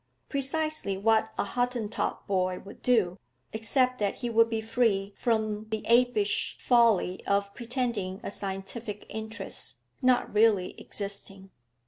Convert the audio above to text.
Precisely what a Hottentot boy would do, except that he would be free from the apish folly of pretending a scientific interest, not really existing.